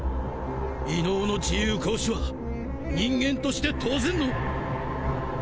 異能の自由行使は人間として当然の